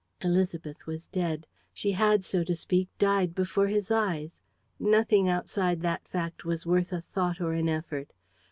Élisabeth was dead. She had, so to speak, died before his eyes. Nothing outside that fact was worth a thought or an effort.